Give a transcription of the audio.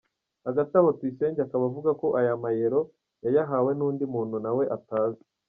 Hagati aho Tuyisenge akaba avuga ko aya mayero yayahawe n’undi muntu nawe atazi.